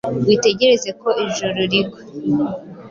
Witegereza ko ijuru rigwa